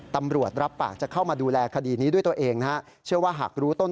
ตำรวจรับปากจะเข้ามาดูแลคดีนี้ด้วยตัวเองนะฮะ